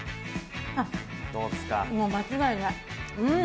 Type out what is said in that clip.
もう、間違いない。